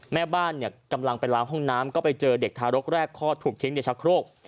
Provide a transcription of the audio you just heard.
แม่บ้านเนี่ยกำลังไปล้างห้องน้ำก็ไปเจอเด็กทารกแรกคลอดถูกทิ้งในชะโครก